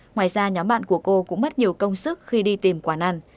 ngoài ra nhóm bạn của cô cũng mất nhiều công sức khi đi tìm quán ăn